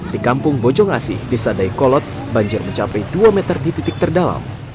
di kampung bojongasi desa dayakolot banjir mencapai dua meter di titik terdekat